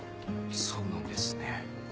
そうなんですね。